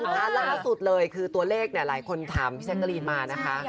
คุณผู้ชมคะล่าสุดเลยคือตัวเลขหลายคนถามพี่แช่งกะรีนมานะคะ